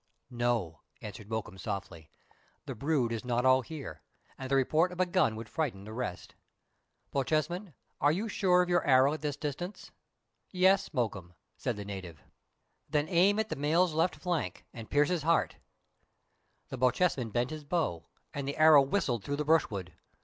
" No," answered Mokoum softly, " the brood is not all here, and the report of a gun would frighten the rest. Bochjesman, are you sure of your arrow at this dis tance?" " Yes, Mokoum," said the native. I 114 meridiana; the adventures of ■>—■■"■■■■<" Then aim at the male's left flank, and pierce his heart.'* The Bochjesman bent his bow, and the arrow whistled through the brushwood.